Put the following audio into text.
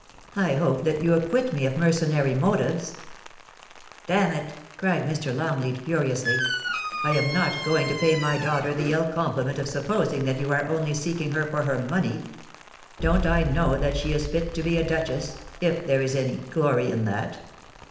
I hope that you acquit me of mercenary motives ?Damn it !' cried Mr. Longleat, furiously, ' I am not going to pay my daughter the ill compliment of supposing that you are only seeking her for her money. Don't I know that she is fit to be a duchess, if there is any glory in that